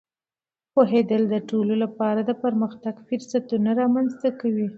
پوهېدل د ټولو لپاره د پرمختګ فرصتونه رامینځته کوي.